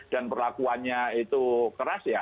dan perlakuannya itu keras ya